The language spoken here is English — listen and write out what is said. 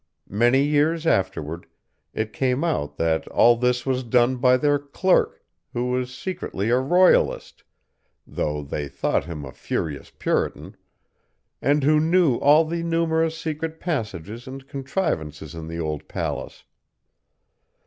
Many years afterward, it came out that all this was done by their clerk, who was secretly a royalist, though they thought him a furious Puritan, and who knew all the numerous secret passages and contrivances in the old palace.